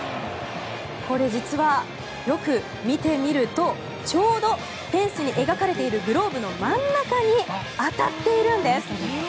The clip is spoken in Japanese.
これ、実はよく見てみるとちょうどフェンスに描かれているグローブの真ん中に当たっているんです。